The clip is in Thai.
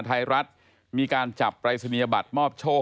ไทยรัฐมีการจับปรายศนียบัตรมอบโชค